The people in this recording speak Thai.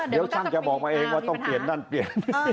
เดี๋ยวช่างจะบอกมาเองว่าต้องเปลี่ยนนั่นเปลี่ยน